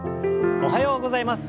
おはようございます。